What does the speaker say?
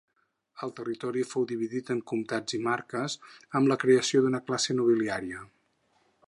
El territori fou subdividit en comtats i marques, amb la creació d'una classe nobiliària.